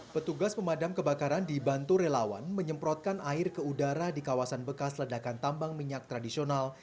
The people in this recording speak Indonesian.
petugas pemadam kebakaran dibantu relawan menyemprotkan air ke udara di kawasan bekas ledakan tambang minyak tradisional